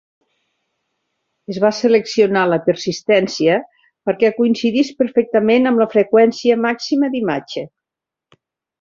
Es va seleccionar la persistència perquè coincidís perfectament amb la freqüència màxima d'imatge.